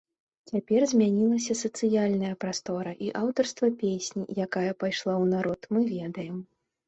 Цяпер змянілася сацыяльная прастора, і аўтарства песні, якая пайшла ў народ, мы ведаем.